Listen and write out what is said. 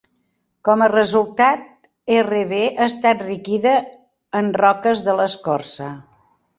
Com a resultat, RB està enriquida en roques de l'escorça.